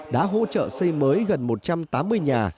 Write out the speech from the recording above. đã hỗ trợ xây mới gần một trăm tám mươi nhà